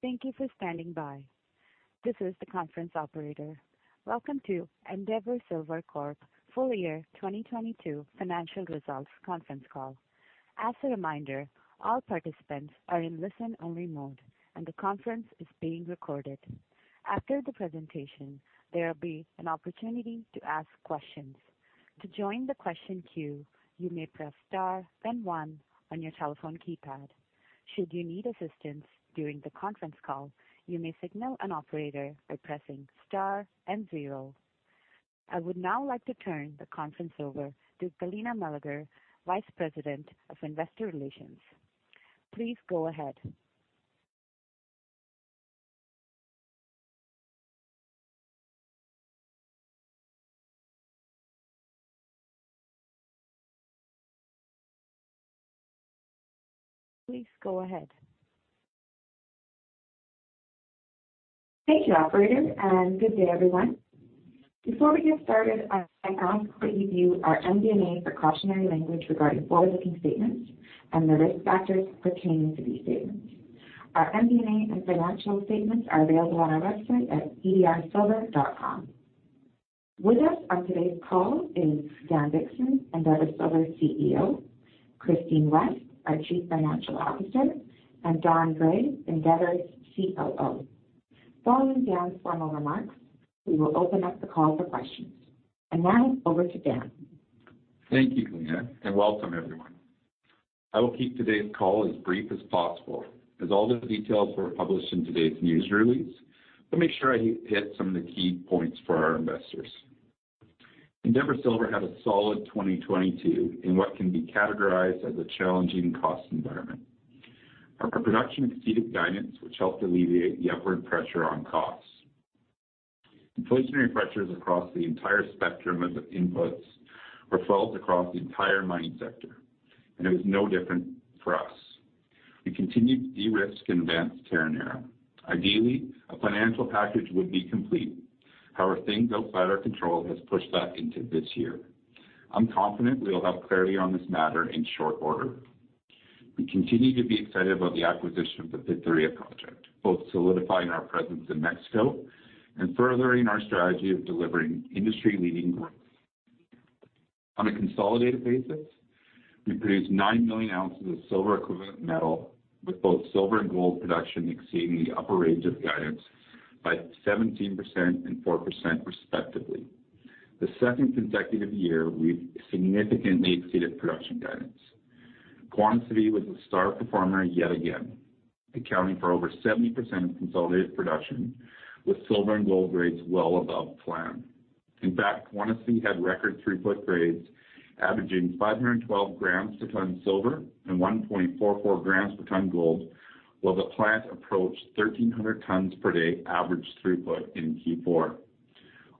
Thank you for standing by. This is the conference operator. Welcome to Endeavour Silver Corp. Full Year 2022 Financial Results Conference Call. As a reminder, all participants are in listen-only mode, and the conference is being recorded. After the presentation, there will be an opportunity to ask questions. To join the question queue, you may press star then one on your telephone keypad. Should you need assistance during the conference call, you may signal an operator by pressing star and zero. I would now like to turn the conference over to Galina Meleger, Vice President of Investor Relations. Please go ahead. Thank you, operator. Good day, everyone. Before we get started, I ask that you view our MD&A cautionary language regarding forward-looking statements and the risk factors pertaining to these statements. Our MD&A and financial statements are available on our website at edrsilver.com. With us on today's call is Dan Dickson, Endeavour Silver CEO, Christine West, our Chief Financial Officer, Don Gray, Endeavour's COO. Following Dan's formal remarks, we will open up the call for questions. Now over to Dan. Thank you, Galina. Welcome everyone. I will keep today's call as brief as possible, as all the details were published in today's news release, but make sure I hit some of the key points for our investors. Endeavour Silver had a solid 2022 in what can be categorized as a challenging cost environment. Our production exceeded guidance, which helped alleviate the upward pressure on costs. Inflationary pressures across the entire spectrum of the inputs were felt across the entire mining sector. It was no different for us. We continued to de-risk and advance TerroneraWe continue to be excited about the acquisition of the Pitarrilla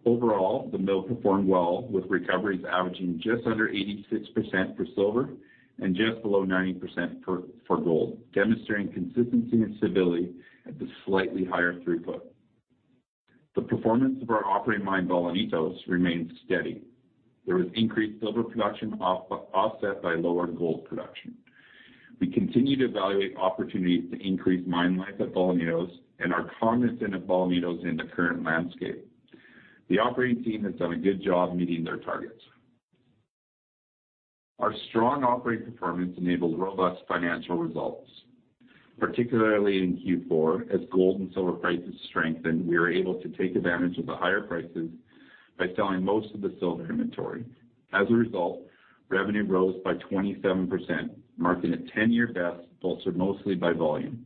Overall, the mill performed well, with recoveries averaging just under 86% for silver and just below 90% for gold, demonstrating consistency and stability at the slightly higher throughput. The performance of our operating mine, Bolañitos, remained steady. There was increased silver production offset by lower gold production. We continue to evaluate opportunities to increase mine life at Bolañitos and are cognizant of Bolañitos in the current landscape. The operating team has done a good job meeting their targets. Our strong operating performance enabled robust financial results, particularly in Q4. Gold and silver prices strengthened, we were able to take advantage of the higher prices by selling most of the silver inventory. Revenue rose by 27%, marking a 10-year best, bolstered mostly by volume.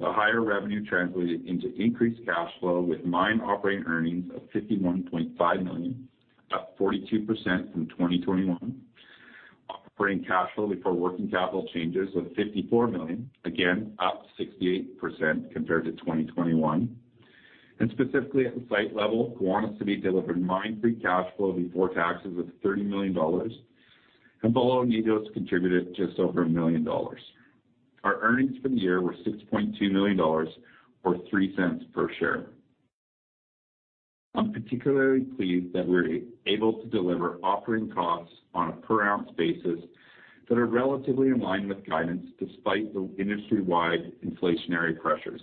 The higher revenue translated into increased cash flow with mine operating earnings of $51.5 million, up 42% from 2021. Operating cash flow before working capital changes was $54 million, again, up 68% compared to 2021. Specifically at the site level, Guanaceví City delivered mine free cash flow before taxes of $30 million, and Bolañitos contributed just over $1 million. Our earnings for the year were $6.2 million or $0.03 per share. I'm particularly pleased that we're able to deliver operating costs on a per-ounce basis that are relatively in line with guidance despite the industry-wide inflationary pressures.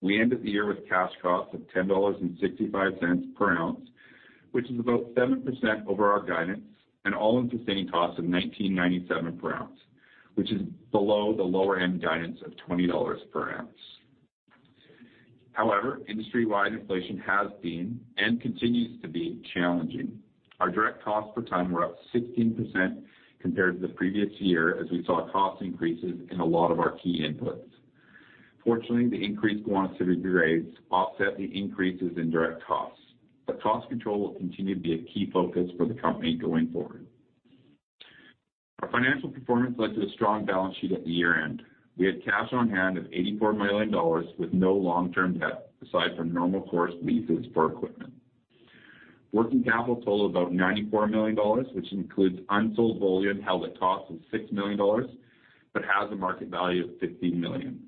We ended the year with cash costs of $10.65 per ounce, which is about 7% over our guidance, and all-in sustaining costs of $19.97 per ounce, which is below the lower-end guidance of $20 per ounce. Industry-wide inflation has been and continues to be challenging. Our direct costs per tonne were up 16% compared to the previous year as we saw cost increases in a lot of our key inputs. Fortunately, the increased quantity grades offset the increases in direct costs, but cost control will continue to be a key focus for the company going forward. Our financial performance led to a strong balance sheet at the year-end. We had cash on hand of $84 million with no long-term debt aside from normal course leases for equipment. Working capital total about $94 million, which includes unsold bullion held at cost of $6 million but has a market value of $50 million.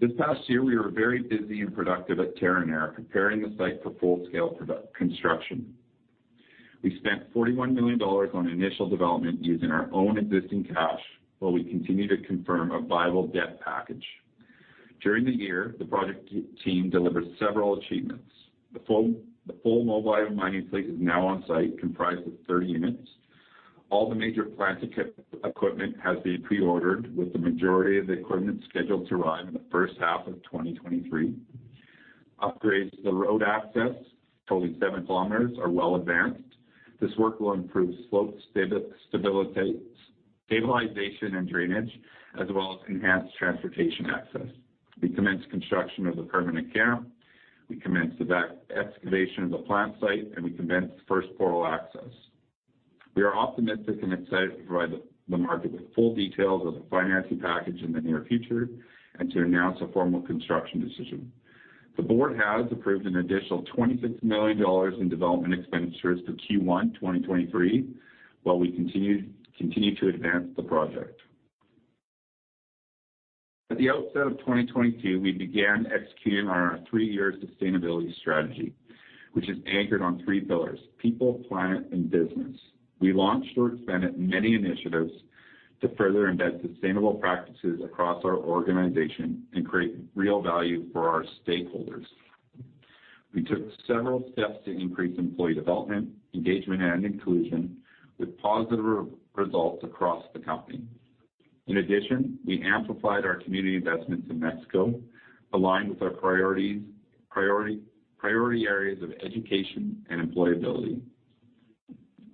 This past year, we were very busy and productive at Terronera, preparing the site for full-scale product construction. We spent $41 million on initial development using our own existing cash while we continue to confirm a viable debt package. During the year, the project team delivered several achievements. The full mobile mining fleet is now on site, comprised of 30 units. All the major plant equipment has been pre-ordered, with the majority of the equipment scheduled to arrive in the first half of 2023. Upgrades to the road access, totaling 7 km, are well advanced. This work will improve slope stabilization and drainage, as well as enhance transportation access. We commenced construction of the permanent camp, we commenced excavation of the plant site, and we commenced first portal access. We are optimistic and excited to provide the market with full details of the financing package in the near future and to announce a formal construction decision. The board has approved an additional $26 million in development expenditures for Q1 2023, while we continue to advance the project. At the outset of 2022, we began executing on our three-year sustainability strategy, which is anchored on three pillars: people, planet, and business. We launched or expanded many initiatives to further embed sustainable practices across our organization and create real value for our stakeholders. We took several steps to increase employee development, engagement, and inclusion, with positive re-results across the company. We amplified our community investments in Mexico, aligned with our priority areas of education and employability.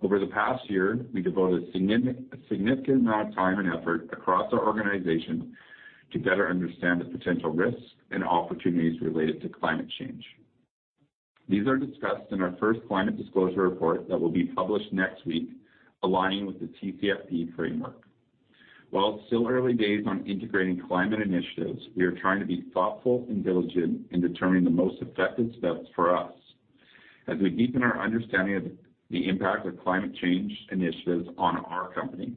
Over the past year, we devoted a significant amount of time and effort across our organization to better understand the potential risks and opportunities related to climate change. These are discussed in our first climate disclosure report that will be published next week, aligning with the TCFD framework. It's still early days on integrating climate initiatives, we are trying to be thoughtful and diligent in determining the most effective steps for us as we deepen our understanding of the impact of climate change initiatives on our company.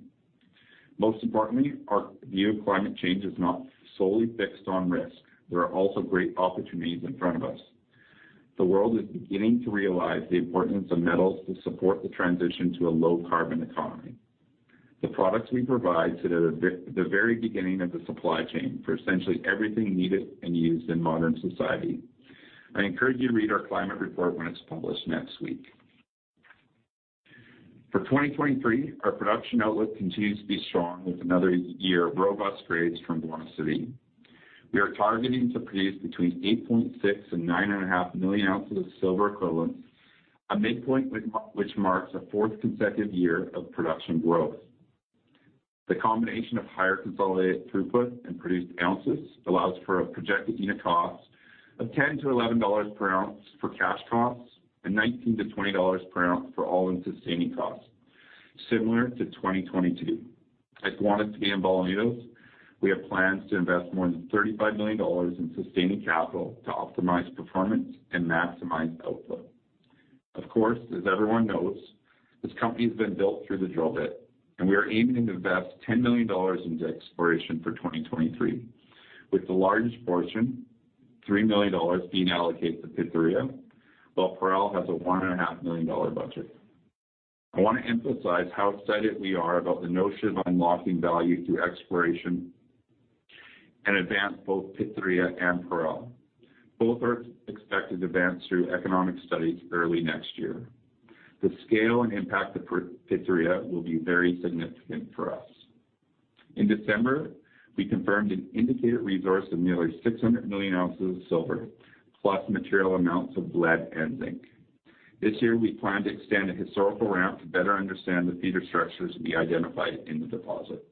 Our view of climate change is not solely fixed on risk. There are also great opportunities in front of us. The world is beginning to realize the importance of metals to support the transition to a low carbon economy. The products we provide sit at the very beginning of the supply chain for essentially everything needed and used in modern society. I encourage you to read our climate report when it's published next week. For 2023, our production outlook continues to be strong with another year of robust grades from Juanicipio. We are targeting to produce between 8.6 and 9.5 million ounces of silver equivalent, a midpoint which marks a fourth consecutive year of production growth. The combination of higher consolidated throughput and produced ounces allows for a projected unit cost of $10-$11 per ounce for cash costs and $19-$20 per ounce for all-in sustaining costs, similar to 2022. At Juanicipio and Bolañitos, we have plans to invest more than $35 million in sustaining capital to optimize performance and maximize output. Of course, as everyone knows, this company has been built through the drill bit, we are aiming to invest $10 million into exploration for 2023, with the largest portion, $3 million, being allocated to Pitarrilla while Parral has a one and a half million dollar budget. I want to emphasize how excited we are about the notion of unlocking value through exploration and advance both Pitarrilla and Parral. Both are expected to advance through economic studies early next year. The scale and impact of Pitarrilla will be very significant for us. In December, we confirmed an indicated resource of nearly 600 million ounces of silver, plus material amounts of lead and zinc. This year, we plan to extend a historical ramp to better understand the feeder structures we identified in the deposit.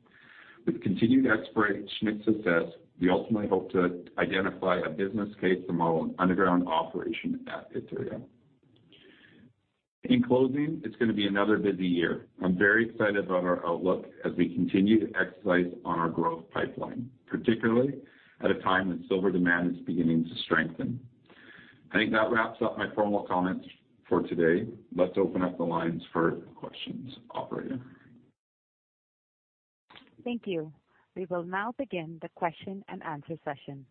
With continued exploration success, we ultimately hope to identify a business case to model an underground operation at. In closing, it's gonna be another busy year. I'm very excited about our outlook as we continue to exercise on our growth pipeline, particularly at a time when silver demand is beginning to strengthen. I think that wraps up my formal comments for today. Let's open up the lines for questions. Operator? Thank you. We will now begin the question and answer session.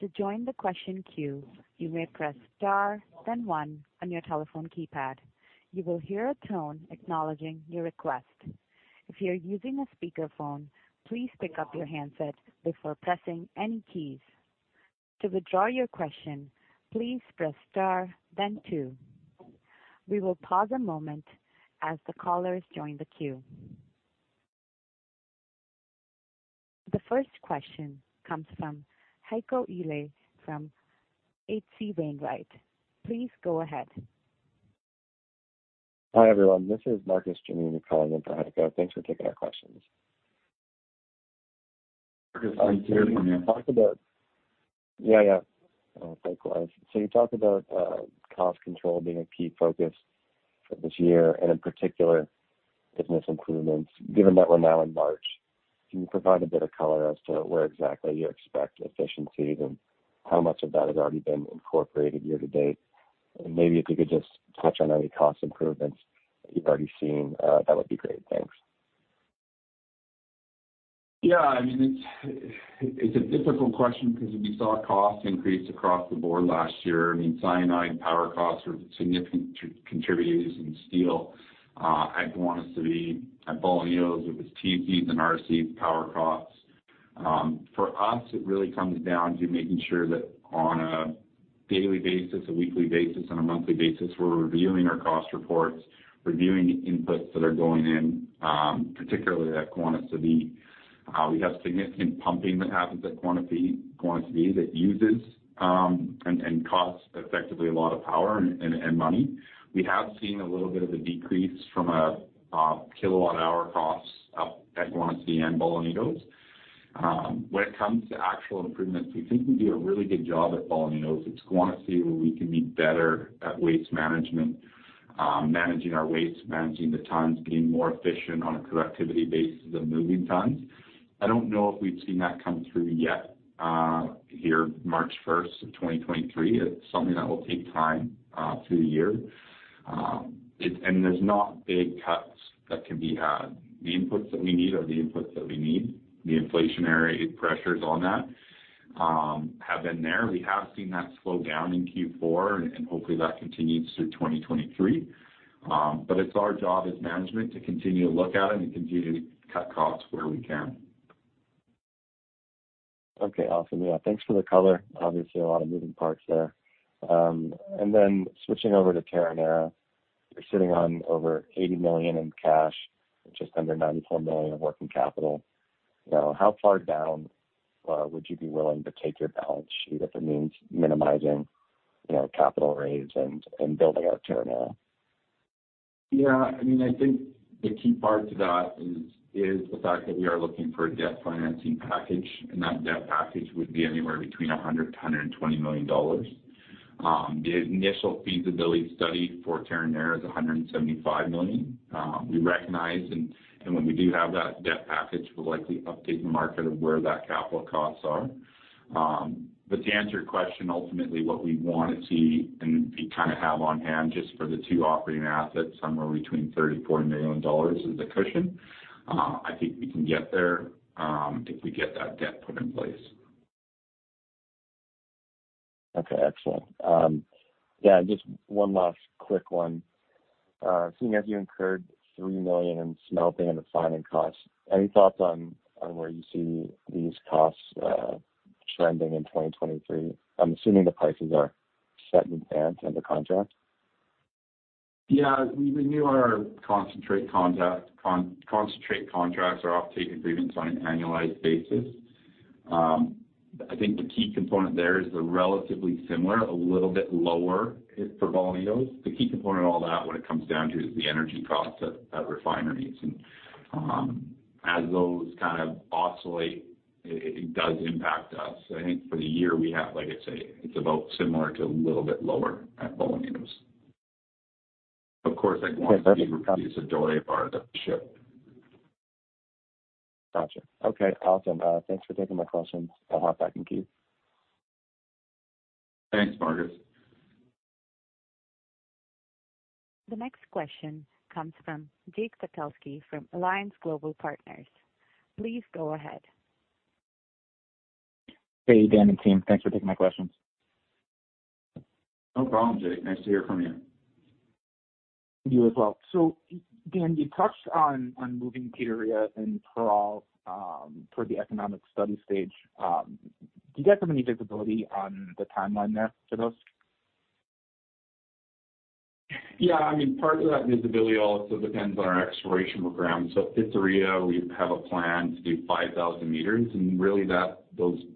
To join the question queue, you may press star then one on your telephone keypad. You will hear a tone acknowledging your request. If you are using a speakerphone, please pick up your handset before pressing any keys. To withdraw your question, please press star then two. We will pause a moment as the callers join the queue. The first question comes from Heiko Ihle from H.C. Wainwright. Please go ahead. Hi, everyone. This is Marcus Giannini calling in for Heiko. Thanks for taking our questions. Marcus, I can't hear you. Yeah, yeah. Oh, thanks a lot. You talked about cost control being a key focus for this year and in particular business improvements. Given that we're now in March, can you provide a bit of color as to where exactly you expect efficiencies and how much of that has already been incorporated year to date? Maybe if you could just touch on any cost improvements that you've already seen, that would be great. Thanks. Yeah, I mean, it's a difficult question because we saw costs increase across the board last year. I mean, cyanide power costs were significant contributors in steel. At Bolañitos, it was TCs and RCs power costs. For us, it really comes down to making sure that on a daily basis, a weekly basis, on a monthly basis, we're reviewing our cost reports, reviewing the inputs that are going in, particularly at Guanaceví. We have significant pumping that happens at Guanaceví that uses and costs effectively a lot of power and money. We have seen a little bit of a decrease from a kilowatt hour costs up at Guanaceví and Bolañitos. When it comes to actual improvements, we think we do a really good job at Bolañitos. It's Guanaceví where we can be better at waste management, managing our waste, managing the tons, being more efficient on a productivity basis of moving tons. I don't know if we've seen that come through yet, here March 1, 2023. It's something that will take time through the year. There's not big cuts that can be had. The inputs that we need are the inputs that we need. The inflationary pressures on that have been there. We have seen that slow down in Q4. Hopefully that continues through 2023. It's our job as management to continue to look at it and continue to cut costs where we can. Okay, awesome. Yeah, thanks for the color. Obviously, a lot of moving parts there. Then switching over to Terronera. You're sitting on over $80 million in cash, just under $94 million of working capital. You know, how far down would you be willing to take your balance sheet if it means minimizing, you know, capital raise and building out Terronera? Yeah, I mean, I think the key part to that is the fact that we are looking for a debt financing package. That debt package would be anywhere between $100 million-$120 million. The initial feasibility study for Terronera is $175 million. We recognize and when we do have that debt package, we'll likely update the market of where that capital costs are. To answer your question, ultimately, what we want to see and kind of have on hand just for the two operating assets, somewhere between $30 million-$40 million as a cushion. I think we can get there if we get that debt put in place. Excellent. Yeah, just one last quick one. Seeing as you incurred $3 million in smelting and refining costs, any thoughts on where you see these costs trending in 2023? I'm assuming the prices are set in advance under contract. We renew our concentrate contracts or off-take agreements on an annualized basis. I think the key component there is they're relatively similar, a little bit lower for Bolañitos. The key component of all that when it comes down to is the energy costs at refineries. As those kind of oscillate, it does impact us. I think for the year, Like I say, it's about similar to a little bit lower at Bolañitos. Of course, at Guanaceví, we produce a doré bar that ship. Gotcha. Okay, awesome. Thanks for taking my questions. I'll hop back in queue. Thanks, Marcus. The next question comes from Jake Sekelsky from Alliance Global Partners. Please go ahead. Hey, Dan and team. Thanks for taking my questions. No problem, Jake. Nice to hear from you. You as well. Dan, you touched on moving Pitarrilla and Parral for the economic study stage. Do you guys have any visibility on the timeline there for those? Yeah, I mean, part of that visibility also depends on our exploration program. At Pitarrilla, we have a plan to do 5,000 m, really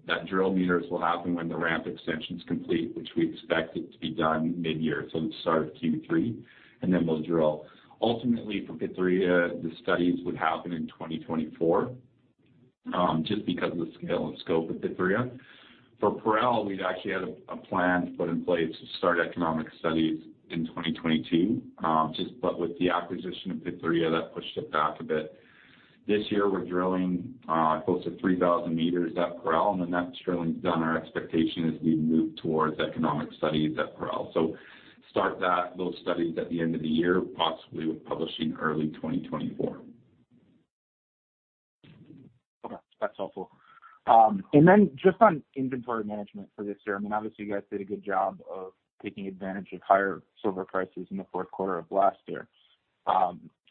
that drill meters will happen when the ramp extension is complete, which we expect it to be done mid-year, so the start of Q3, then we'll drill. Ultimately for Pitarrilla, the studies would happen in 2024, just because of the scale and scope of Pitarrilla. For Parral, we'd actually had a plan put in place to start economic studies in 2022. just with the acquisition of Pitarrilla, that pushed it back a bit. This year we're drilling close to 3,000 m at Parral, when that drilling's done, our expectation is we move towards economic studies at Parral. Start that, those studies at the end of the year, possibly with publishing early 2024. Okay, that's helpful. Just on inventory management for this year, I mean, obviously you guys did a good job of taking advantage of higher silver prices in the fourth quarter of last year.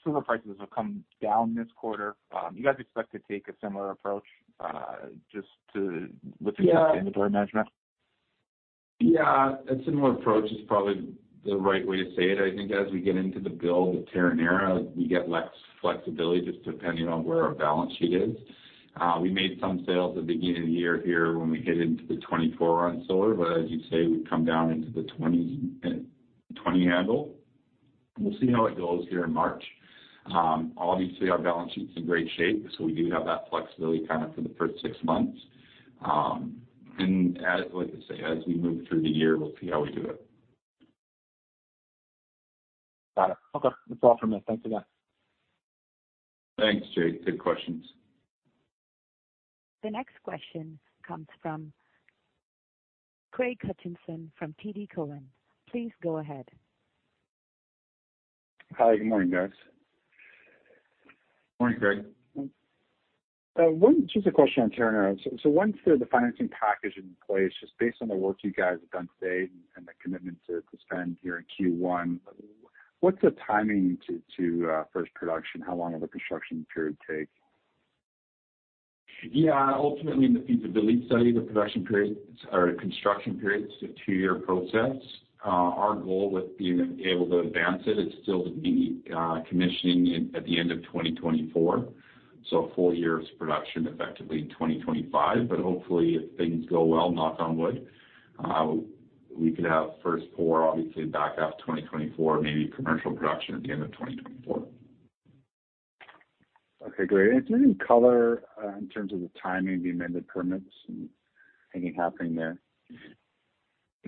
Silver prices have come down this quarter. Do you guys expect to take a similar approach? Yeah inventory management? A similar approach is probably the right way to say it. I think as we get into the build with Terronera, we get less flexibility just depending on where our balance sheet is. We made some sales at the beginning of the year here when we hit into the 24 on silver, but as you say, we've come down into the 20 handle. We'll see how it goes here in March. Obviously, our balance sheet's in great shape, so we do have that flexibility kind of for the first six months. As, like I say, as we move through the year, we'll see how we do it. Got it. Okay. That's all from me. Thanks again. Thanks, Jake. Good questions. The next question comes from Craig Hutchison from TD Cowen. Please go ahead. Hi, good morning, guys. Morning, Craig. Just a question on Terronera. Once the financing package is in place, just based on the work you guys have done to date and the commitment to spend here in Q1, what's the timing to first production? How long will the construction period take? Yeah. Ultimately, in the feasibility study, the production period or the construction period's a two-year process. Our goal with being able to advance it is still to be commissioning at the end of 2024. 4 years production effectively in 2025. Hopefully, if things go well, knock on wood, we could have first pour obviously back half of 2024, maybe commercial production at the end of 2024. Okay, great. Can you color, in terms of the timing of the amended permits and anything happening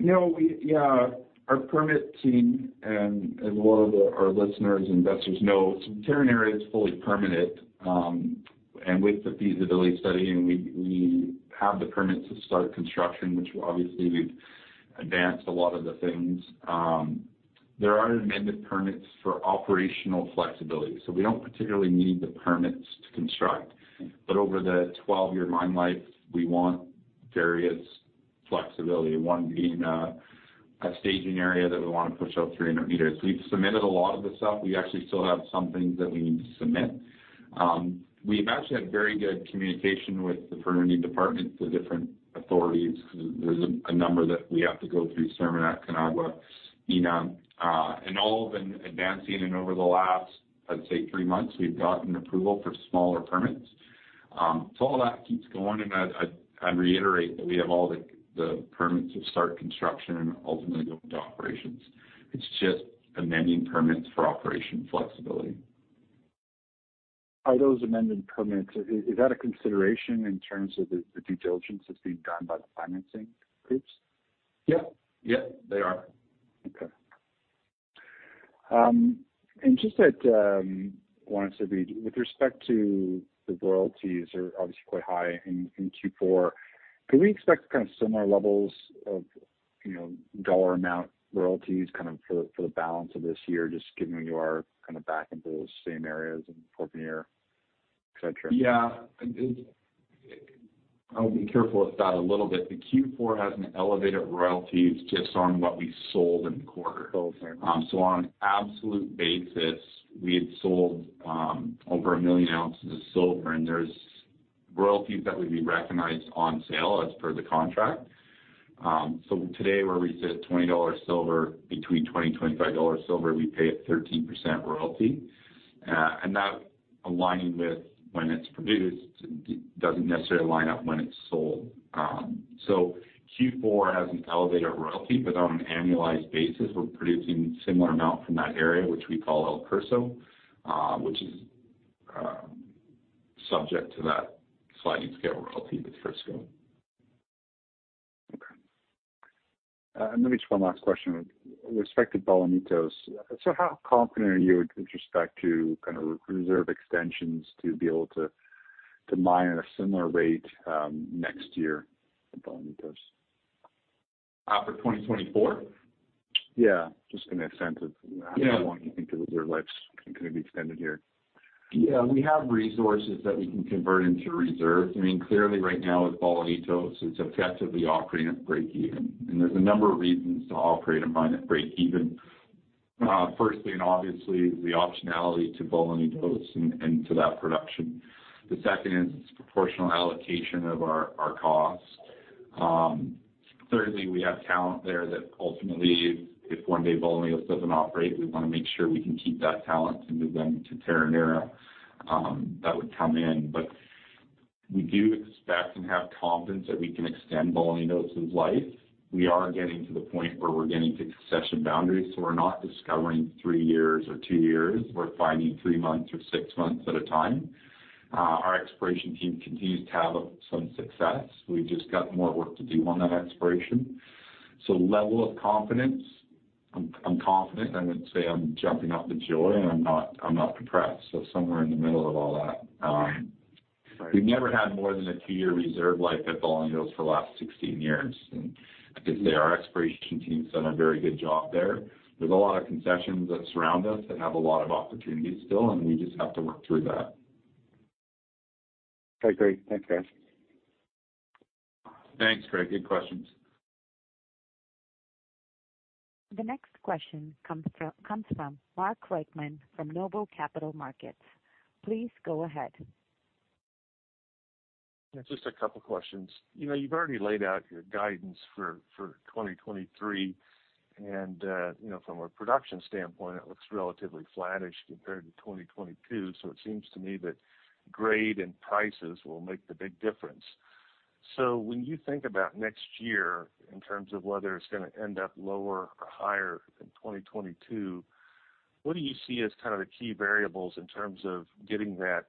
there? You know, Yeah. Our permit team and a lot of our listeners, investors know Terronera is fully permitted and with the feasibility study. We have the permits to start construction, which obviously we've advanced a lot of the things. There are amended permits for operational flexibility, we don't particularly need the permits to construct. Over the 12-year mine life, we want various flexibility. One being a staging area that we wanna push out 300 m. We've submitted a lot of the stuff. We actually still have some things that we need to submit. We've actually had very good communication with the pertinent departments, the different authorities, 'cause there's a number that we have to go through, SEMARNAT Over the last, I'd say three months, we've gotten approval for smaller permits. All that keeps going. I'd reiterate that we have all the permits to start construction and ultimately go into operations. It's just amending permits for operation flexibility. Are those amendment permits, is that a consideration in terms of the due diligence that's being done by the financing groups? Yeah. Yeah, they are. Okay. Just that, With respect to the royalties are obviously quite high in Q4, can we expect kind of similar levels of, you know, dollar amount royalties kind of for the balance of this year, just given that you are kind of back into those same areas in the fourth year, et cetera? Yeah. I'll be careful with that a little bit. The Q4 has an elevated royalties just on what we sold in the quarter. Okay. On absolute basis, we had sold over 1 million ounces of silver. There's royalties that would be recognized on sale as per the contract. Today, where we sit, $20 silver, between $20 and $25 silver, we pay a 13% royalty. That aligning with when it's produced doesn't necessarily line up when it's sold. Q4 has an elevated royalty, but on an annualized basis, we're producing similar amount from that area, which we call El Pulso, which is subject to that sliding scale royalty with Frisco. Maybe just one last question. With respect to Bolañitos, how confident are you with respect to kind of reserve extensions to be able to mine at a similar rate next year at Bolañitos? For 2024? Yeah, just. Yeah. How long you think the reserve life's gonna be extended here? Yeah. We have resources that we can convert into reserves. I mean, clearly right now with Bolañitos, it's effectively operating at breakeven. There's a number of reasons to operate a mine at breakeven. Firstly and obviously, the optionality to Bolañitos and to that production. The second is its proportional allocation of our costs. Thirdly, we have talent there that ultimately, if one day Bolañitos doesn't operate, we wanna make sure we can keep that talent and move them to Terronera, that would come in. We do expect and have confidence that we can extend Bolañitos' life. We are getting to the point where we're getting to concession boundaries, so we're not discovering three years or two years. We're finding three months or six months at a time. Our exploration team continues to have some success. We've just got more work to do on that exploration. Level of confidence, I'm confident. I wouldn't say I'm jumping up with joy, and I'm not depressed. Somewhere in the middle of all that. Right. We've never had more than a two-year reserve life at Bolañitos for the last 16 years. I'd say our exploration team's done a very good job there. There's a lot of concessions that surround us that have a lot of opportunities still, and we just have to work through that. Okay, great. Thanks, guys. Thanks, Craig. Good questions. The next question comes from Mark Reichman from Noble Capital Markets. Please go ahead. Yeah, just a couple questions. You know, you've already laid out your guidance for 2023, and, you know, from a production standpoint, it looks relatively flattish compared to 2022. It seems to me that grade and prices will make the big difference. When you think about next year in terms of whether it's going to end up lower or higher than 2022, what do you see as kind of the key variables in terms of getting that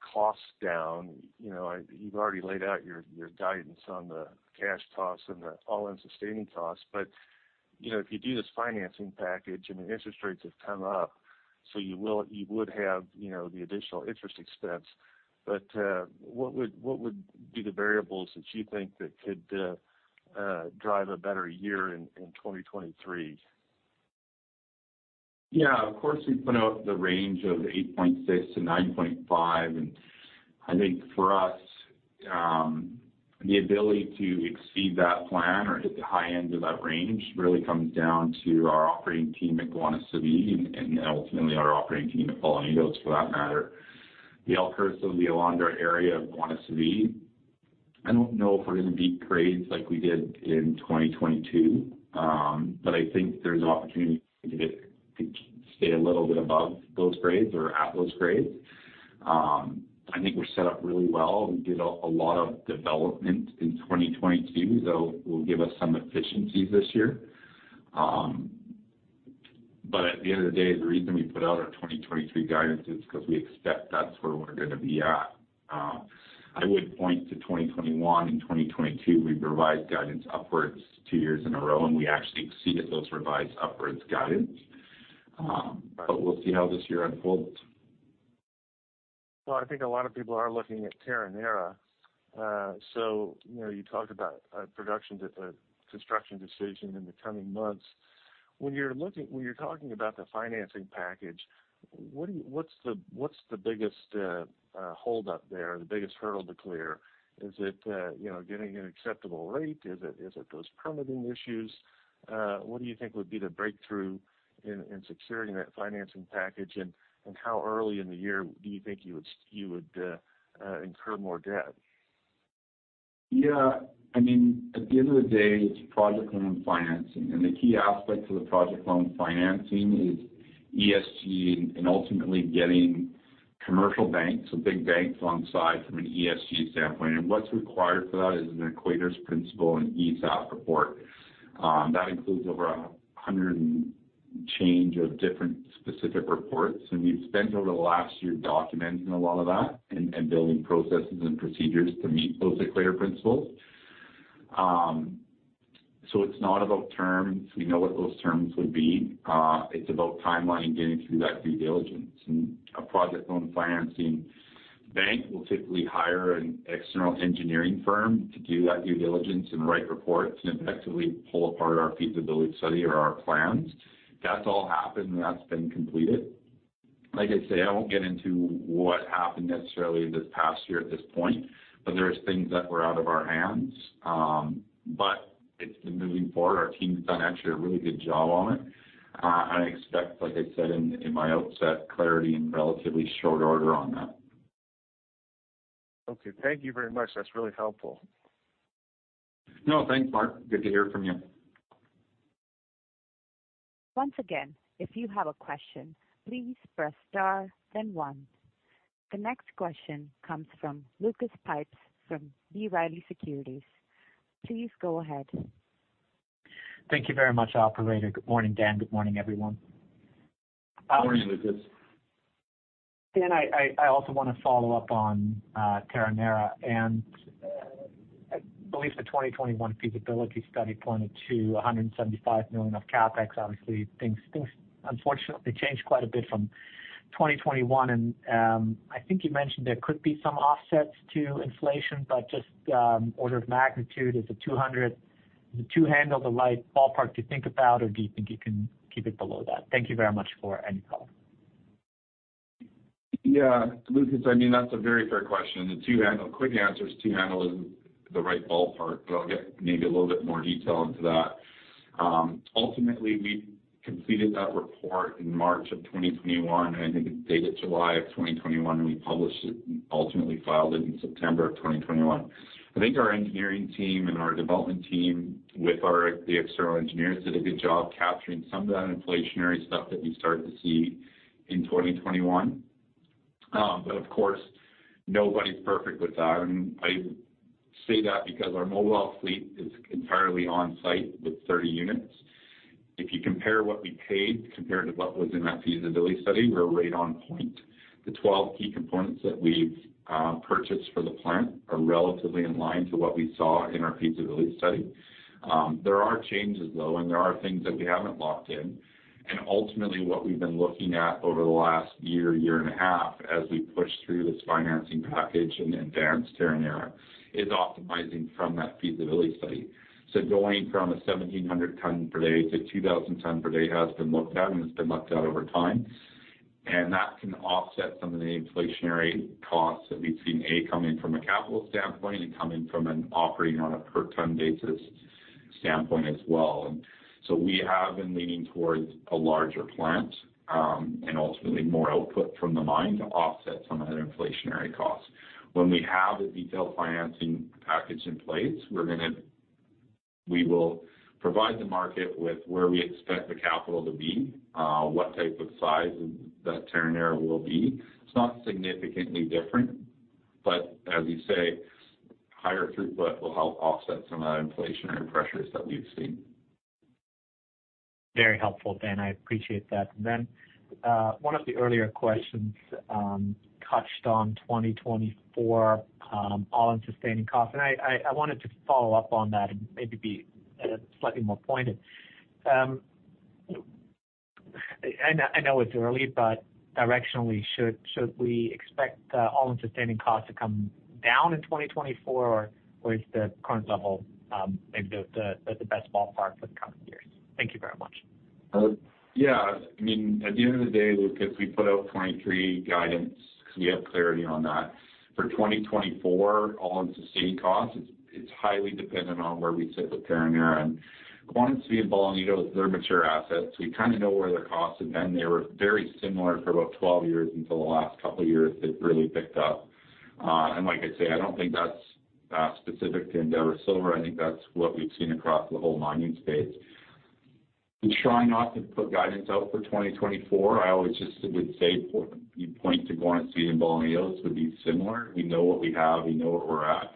cost down? You know, you've already laid out your guidance on the cash costs and the all-in sustaining costs. You know, if you do this financing package and the interest rates have come up, so you would have, you know, the additional interest expense. What would be the variables that you think that could drive a better year in 2023? Yeah, of course, we put out the range of 8.6-9.5. I think for us, the ability to exceed that plan or hit the high end of that range really comes down to our operating team at Guanaceví and ultimately our operating team at Bolañitos for that matter. The El Curso and the Yolanda area of Guanaceví, I don't know if we're going to beat grades like we did in 2022. I think there's an opportunity to stay a little bit above those grades or at those grades. I think we're set up really well. We did a lot of development in 2022, though, will give us some efficiencies this year. At the end of the day, the reason we put out our 2023 guidance is because we expect that's where we're going to be at. I would point to 2021 and 2022. We've revised guidance upwards two years in a row, and we actually exceeded those revised upwards guidance. We'll see how this year unfolds. Well, I think a lot of people are looking at Terronera. You know, you talked about a production a construction decision in the coming months. When you're talking about the financing package, what's the, what's the biggest hold up there, the biggest hurdle to clear? Is it, you know, getting an acceptable rate? Is it those permitting issues? What do you think would be the breakthrough in securing that financing package? How early in the year do you think you would incur more debt? Yeah. I mean, at the end of the day, it's project loan financing. The key aspect to the project loan financing is ESG and ultimately getting commercial banks or big banks on side from an ESG standpoint. What's required for that is an Equator Principles and ESAP report that includes over 100 and change of different specific reports. We've spent over the last year documenting a lot of that and building processes and procedures to meet those Equator Principles. So it's not about terms. We know what those terms would be. It's about timeline and getting through that due diligence. A project loan financing bank will typically hire an external engineering firm to do that due diligence and write reports and effectively pull apart our feasibility study or our plans. That's all happened, and that's been completed. Like I say, I won't get into what happened necessarily this past year at this point, but there's things that were out of our hands. It's been moving forward. Our team's done actually a really good job on it. I expect, like I said in my outset, clarity in relatively short order on that. Okay. Thank you very much. That's really helpful. No, thanks, Mark. Good to hear from you. Once again, if you have a question, please press star then one. The next question comes from Lucas Pipes from B. Riley Securities. Please go ahead. Thank you very much, operator. Good morning, Dan. Good morning, everyone. Morning, Lucas. Dan, I also wanna follow up on Terronera. I believe the 2021 feasibility study pointed to $175 million of CapEx. Obviously, things unfortunately changed quite a bit from 2021. I think you mentioned there could be some offsets to inflation, but just order of magnitude, is it $200? Is it two handle the light ballpark to think about, or do you think you can keep it below that? Thank you very much for any color. Yeah. Lucas, I mean, that's a very fair question. The $2 handle. Quick answer is $2 handle is the right ballpark, but I'll get maybe a little bit more detail into that. Ultimately, we completed that report in March of 2021, I think it's dated July of 2021, we published it and ultimately filed it in September of 2021. I think our engineering team and our development team with the external engineers did a good job capturing some of that inflationary stuff that we started to see in 2021. Of course, nobody's perfect with that. I say that because our mobile fleet is entirely on-site with 30 units. If you compare what we paid compared to what was in that feasibility study, we're right on point. The 12 key components that we've purchased for the plant are relatively in line to what we saw in our feasibility study. There are changes though, and there are things that we haven't locked in. Ultimately, what we've been looking at over the last year and a half, as we push through this financing package and advance Terronera, is optimizing from that feasibility study. Going from a 1,700 ton per day to 2,000 ton per day has been looked at, and it's been looked at over time. That can offset some of the inflationary costs that we've seen, A, coming from a capital standpoint and coming from an operating on a per ton basis standpoint as well. We have been leaning towards a larger plant, ultimately more output from the mine to offset some of that inflationary costs. When we have a detailed financing package in place, we will provide the market with where we expect the capital to be, what type of size that Terronera will be. It's not significantly different. As you say, higher throughput will help offset some of the inflationary pressures that we've seen. Very helpful, Dan. I appreciate that. One of the earlier questions touched on 2024 all-in sustaining cost, and I wanted to follow up on that and maybe be slightly more pointed. I know it's early, but directionally should we expect all-in sustaining cost to come down in 2024, or is the current level maybe the best ballpark for the coming years? Thank you very much. Yeah. I mean, at the end of the day, Lucas, we put out 2023 guidance 'cause we have clarity on that. For 2024 all-in sustaining costs, it's highly dependent on where we sit with Terronera. Guanaceví and Bolañitos, they're mature assets. We kinda know where their costs have been. They were very similar for about 12 years until the last couple of years, they've really picked up. And like I say, I don't think that's specific to Endeavour Silver. I think that's what we've seen across the whole mining space. I'm trying not to put guidance out for 2024. I always just would say for... you point to Guanaceví and Bolañitos would be similar. We know what we have, we know where we're at.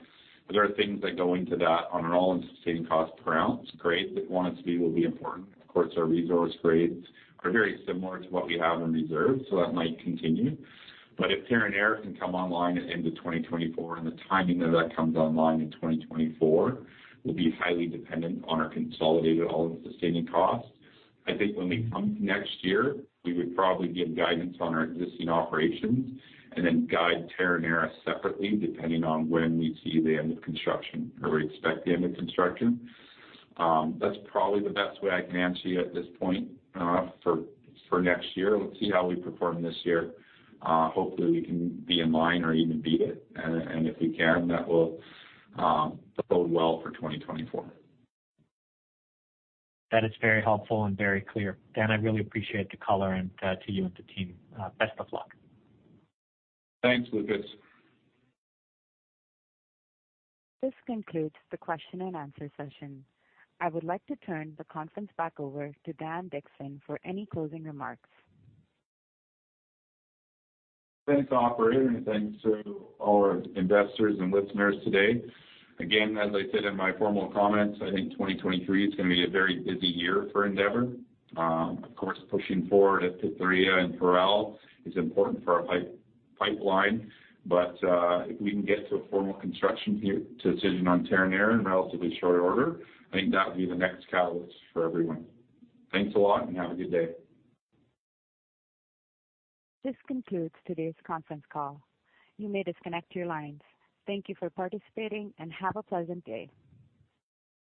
There are things that go into that on an all-in sustaining cost per ounce grade that Guanacevi will be important. Of course, our resource grades are very similar to what we have in reserve, so that might continue. If Terronera can come online at the end of 2024, and the timing of that comes online in 2024, will be highly dependent on our consolidated all-in sustaining costs. I think when we come next year, we would probably give guidance on our existing operations and then guide Terronera separately depending on when we see the end of construction or we expect the end of construction. That's probably the best way I can answer you at this point, for next year. Let's see how we perform this year. Hopefully, we can be in line or even beat it. If we can, that will bode well for 2024. That is very helpful and very clear. Dan, I really appreciate the color and to you and the team, best of luck. Thanks, Lucas. This concludes the question and answer session. I would like to turn the conference back over to Dan Dickson for any closing remarks. Thanks, operator, thanks to all our investors and listeners today. Again, as I said in my formal comments, I think 2023 is gonna be a very busy year for Endeavour Silver. Of course, pushing forward at Pitria and Parral is important for our pipeline. If we can get to a formal construction decision on Terronera in relatively short order, I think that would be the next catalyst for everyone. Thanks a lot and have a good day. This concludes today's conference call. You may disconnect your lines. Thank you for participating. Have a pleasant day.